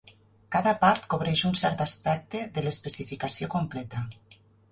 Cada "part" cobreix un cert aspecte de l'especificació completa.